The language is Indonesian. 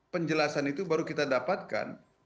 penjelasan itu baru kita dapatkan